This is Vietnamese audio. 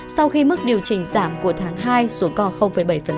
sau khi mức điều chỉnh giảm của tháng hai xuống còn bảy